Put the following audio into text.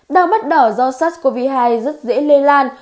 đau mắt đỏ do sars cov hai rất dễ lây lan